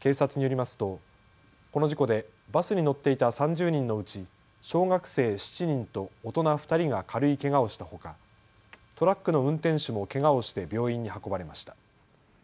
警察によりますとこの事故でバスに乗っていた３０人のうち小学生７人と大人２人が軽いけがをしたほかトラックの運転手もけがをして病院に運ばれました。